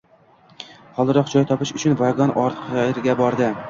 Holiroq joy topish uchun vagon oxiriga bordi.